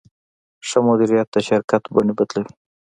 ښه مدیریت د شرکت بڼې بدلوي.